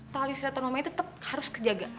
tali seretan roman itu tetep harus kejagaan